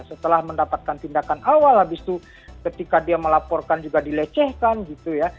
setelah mendapatkan tindakan awal habis itu ketika dia melaporkan juga dilecehkan gitu ya